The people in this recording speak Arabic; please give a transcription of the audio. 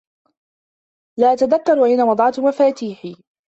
لا أتذكّر أين وضعت مفاتيحي.